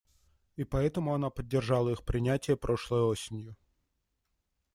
И поэтому она поддержала их принятие прошлой осенью.